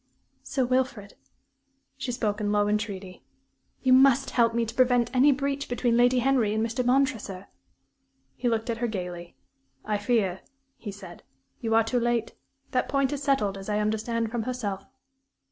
"Sir Wilfrid" she spoke in low entreaty "you must help me to prevent any breach between Lady Henry and Mr. Montresor." He looked at her gayly. "I fear," he said, "you are too late. That point is settled, as I understand from herself."